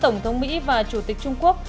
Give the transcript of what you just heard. tổng thống mỹ và chủ tịch trung quốc